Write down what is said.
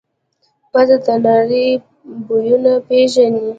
پزه د نړۍ بویونه پېژني.